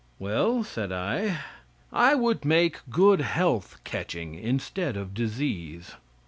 "Well," said I, "I would make good health catching, instead of disease."